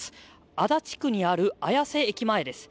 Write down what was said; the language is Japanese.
足立区にある綾瀬駅前です。